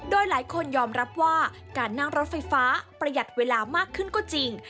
โดยหลายคนยอมรับว่าการนั่งรถไฟฟ้าประหยัดเวลามากขึ้นก็จริง